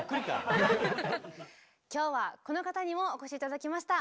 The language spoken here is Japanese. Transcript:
今日はこの方にもお越し頂きました。